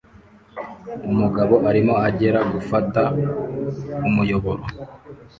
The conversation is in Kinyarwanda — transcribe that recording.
Umugabo arimo agera gufata umuyoboro